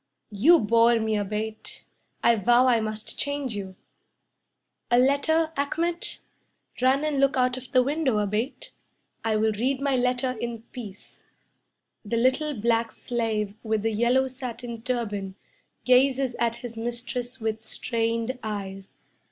"You bore me, Abate, I vow I must change you! A letter, Achmet? Run and look out of the window, Abate. I will read my letter in peace." The little black slave with the yellow satin turban Gazes at his mistress with strained eyes.